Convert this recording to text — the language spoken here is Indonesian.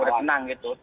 sudah tenang gitu